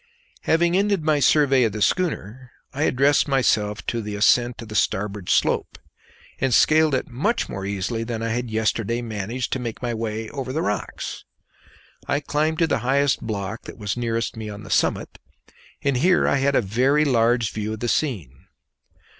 Having ended my survey of the schooner, I addressed myself to the ascent of the starboard slope, and scaled it much more easily than I had yesterday managed to make my way over the rocks. I climbed to the highest block that was nearest me on the summit, and here I had a very large view of the scene.